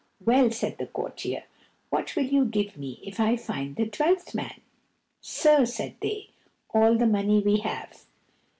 "Well," said the courtier, "what will you give me if I find the twelfth man?" "Sir," said they, "all the money we have."